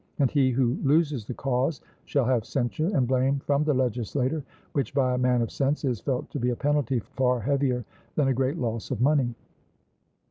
And he who loses the cause shall have censure and blame from the legislator, which, by a man of sense, is felt to be a penalty far heavier than a great loss of money.